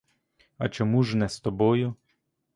А чому ж не з тобою?